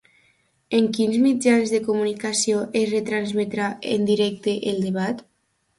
En quins mitjans de comunicació es retransmetrà en directe el debat?